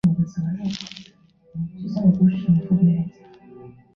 马卡里奇农村居民点是俄罗斯联邦布良斯克州红戈拉区所属的一个农村居民点。